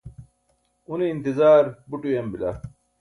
une intizaar buṭ uyam bila